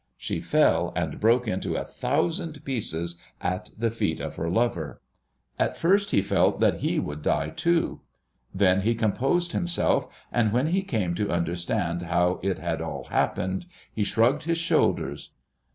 she fell and broke into a thousand pieces at the feet of her lover. At first he felt that he would die too. Then he composed himself, and when he came to understand how it had all happened, he shrugged his shoulders.